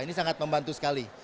ini sangat membantu sekali